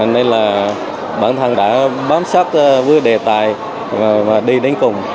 nên là bản thân đã bám sát với đề tài và đi đến cùng